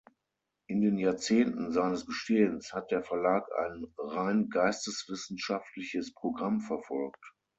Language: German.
In den Jahrzehnten seines Bestehens hat der Verlag ein rein geisteswissenschaftliches Programm verfolgt.